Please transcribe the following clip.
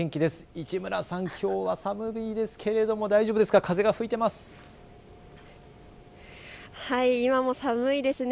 市村さん、きょうは寒いですが大丈夫ですか、風が吹いていますね。